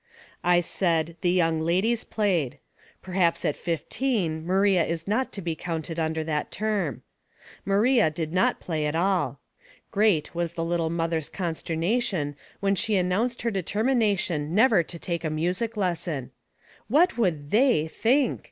I said the young ladies played. Perhaps at fifteen Maria is not to be counted under that term. Maria did not play at all. Great was the little mother's consternation when she announced her determination never to take a music lesson. What would " they " think?